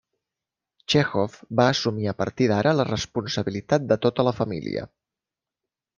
Txékhov va assumir a partir d'ara la responsabilitat de tota la família.